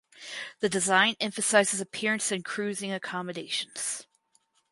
The design emphasizes appearance and cruising accommodations.